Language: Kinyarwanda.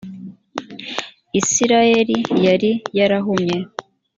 isirayeli yari yarahumye